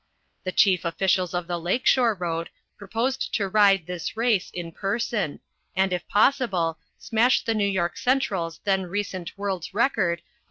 The chief officials of the Lake Shore road proposed to ride this race in person, and, if possible, smash the New York Central's then recent world's record of 63.